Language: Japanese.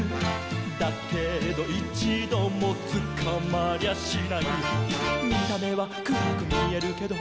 「だけどいちどもつかまりゃしない」「見た目はくらくみえるけど」